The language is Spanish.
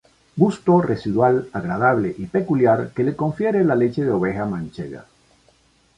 Gusto residual agradable y peculiar que le confiere la leche de oveja manchega.